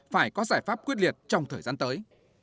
phải có giải pháp quyết liệt trong thời gian tới